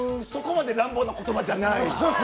そこまで乱暴な言葉じゃない。